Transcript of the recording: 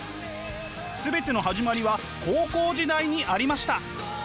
全ての始まりは高校時代にありました！